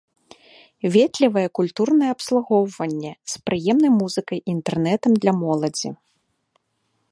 Ветлівае культурнае абслугоўванне, з прыемнай музыкай і інтэрнэтам для моладзі.